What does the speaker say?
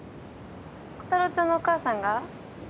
コタローちゃんのお母さんが？